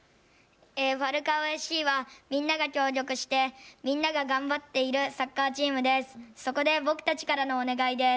ファルカオＦＣはみんなが協力してみんなで頑張っているサッカーチームです。